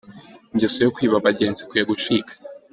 Ingeso yo kwiba abagenzi ikwiye gucika.